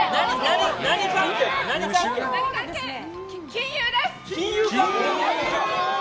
金融です。